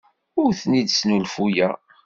Ur ten-id-snulfuyeɣ.